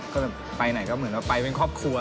ก็แบบไปไหนก็เหมือนว่าไปเป็นครอบครัว